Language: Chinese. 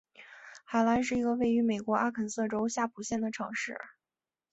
海兰是一个位于美国阿肯色州夏普县的城市。